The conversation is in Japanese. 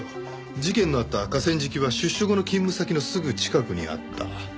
事件のあった河川敷は出所後の勤務先のすぐ近くにあった。